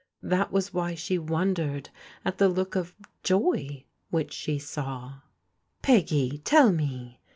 That was why she wondered at the look of joy which she saw. " Peggy ! tell me